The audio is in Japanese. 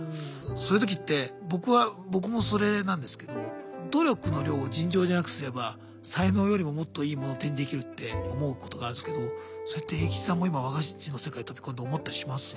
そういう時って僕もそれなんですけど努力の量を尋常じゃなくすれば才能よりももっといいものを手にできるって思うことがあるんですけどそうやってエイキチさんも今和菓子の世界に飛び込んで思ったりします？